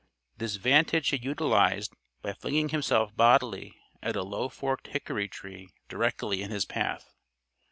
This vantage he utilized by flinging himself bodily at a low forked hickory tree directly in his path.